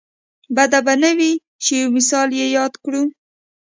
بده به نه وي چې یو مثال یې یاد کړو.